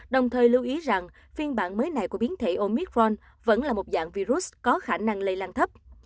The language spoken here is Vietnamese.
đồng thời lưu ý rằng phiên bản mới này của biến thể omitforn vẫn là một dạng virus có khả năng lây lan thấp